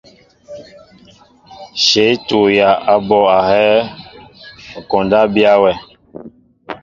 Shéé tuya a ɓɔ ahɛɛ, koondaan biya wɛʼ.